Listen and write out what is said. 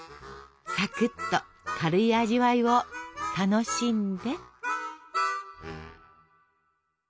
サクッと軽い味わいを楽しんで。